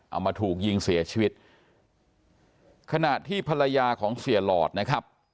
เอามาถูกยิงเสียชีวิตขณะที่ภรรยาของเสียหลอดนะครับ